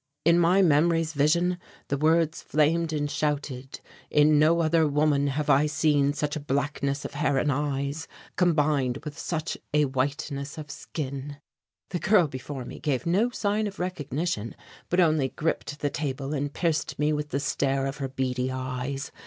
In my memory's vision the words flamed and shouted: "In no other woman have I seen such a blackness of hair and eyes, combined with such a whiteness of skin." The girl before me gave no sign of recognition, but only gripped the table and pierced me with the stare of her beady eyes.